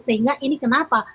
sehingga ini kenapa